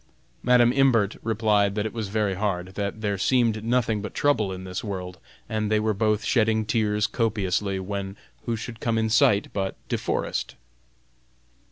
Madam Imbert replied that it was very hard; that there seemed nothing but trouble in this world, and they were both shedding tears copiously, when who should come in sight but De Forest?